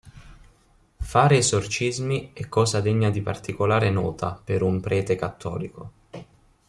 Fare esorcismi è cosa degna di particolare nota per un prete cattolico.